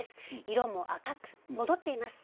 色も赤く戻っています。